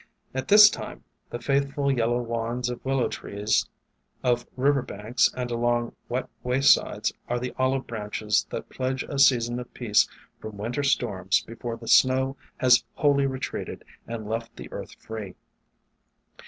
At this time the faithful yellow wands of Willow trees of river banks and along wet waysides are the olive branches that pledge a season of peace from Winter storms before the snow has wholly retreated and left the earth free.